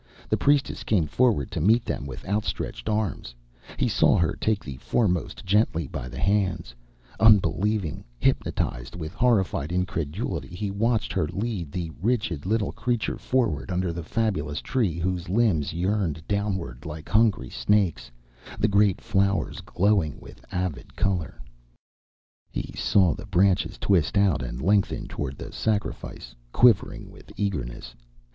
The priestess came forward to meet them with outstretched arms. He saw her take the foremost gently by the hands. Unbelieving, hypnotized with horrified incredulity, he watched her lead the rigid little creature forward under the fabulous Tree whose limbs yearned downward like hungry snakes, the great flowers glowing with avid color. [Illustration: "The priestess led the rigid little creature forward under the fabulous tree."] He saw the branches twist out and lengthen toward the sacrifice, quivering with eagerness.